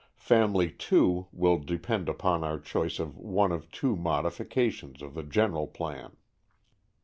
"Family 2" will depend upon our choice of one of two modifications of the general plan.